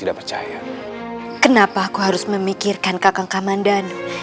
kenapa aku harus memikirkan kakang kamandanu